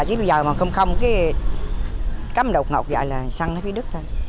chứ bây giờ mà không không cấm đột ngột vậy là xăng nó đi đứt thôi